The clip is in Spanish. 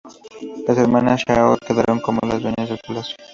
Las hermanas Zhao quedaron como las dueñas del palacio.